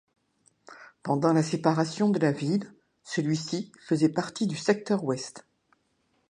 Pendant la séparation de la ville, celui-ci faisait partie du secteur ouest.